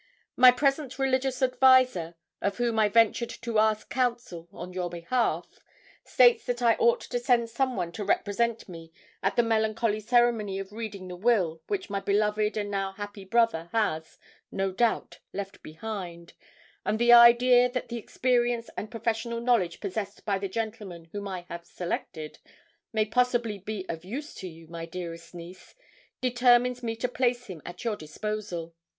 My present religious adviser of whom I ventured to ask counsel on your behalf states that I ought to send some one to represent me at the melancholy ceremony of reading the will which my beloved and now happy brother has, no doubt, left behind; and the idea that the experience and professional knowledge possessed by the gentleman whom I have selected may possibly be of use to you, my dearest niece, determines me to place him at your disposal.